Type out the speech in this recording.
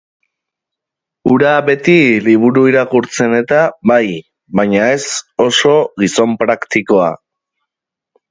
Hura beti liburu irakurtzen-eta bai, baina ez oso gizon praktikoa.